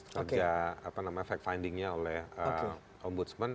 kerja apa namanya fact finding nya oleh ombudsman